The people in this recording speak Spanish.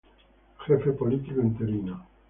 Jefe Político interino.